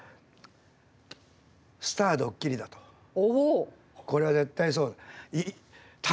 これは絶対そうだ。